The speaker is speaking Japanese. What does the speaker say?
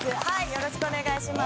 よろしくお願いします。